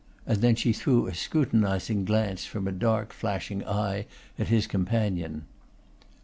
and then she threw a scrutinizing glance from a dark flashing eye at his companion.